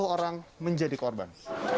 sepuluh orang menjadi korban